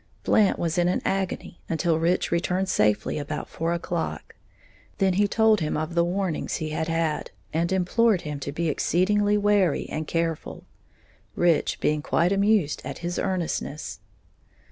Blant was in an agony until Rich returned safely about four o'clock; then he told him of the warnings he had had, and implored him to be exceedingly wary and careful, Rich being quite amused at his earnestness.